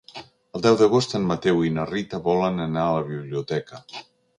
El deu d'agost en Mateu i na Rita volen anar a la biblioteca.